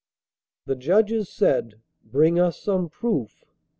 The judges said: 'Bring us some proof.